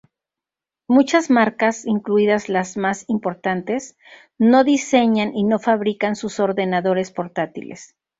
Muchas marcas, incluidas las más importantes, no diseñan y no fabrican sus ordenadores portátiles.